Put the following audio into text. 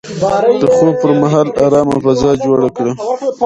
د خوب پر مهال ارامه فضا جوړه کړئ.